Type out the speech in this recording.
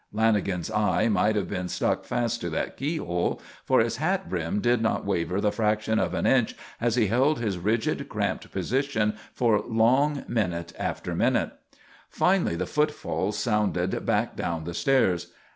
Lanagan's eye might have been stuck fast to that keyhole, for his hat brim did not waver the fraction of an inch as he held his rigid, cramped position for long minute after minute. Finally the footfalls sounded back down the stairs.